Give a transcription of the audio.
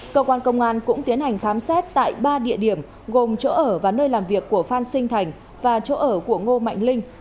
cơ quan công an cũng tiến hành khám xét tại ba địa điểm gồm chỗ ở và nơi làm việc của phan sinh thành và chỗ ở của ngô mạnh linh